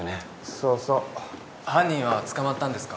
そうそう犯人は捕まったんですか？